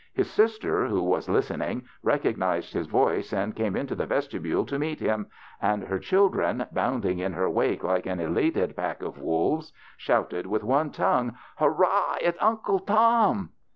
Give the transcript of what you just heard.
His sister, w^ho was listening, recognized his voice and came into the vestibule to meet him, and her children, bounding in her wake like an elated pack of wolves, shouted with one tongue, '' Hurrah ! it's Uncle Tom."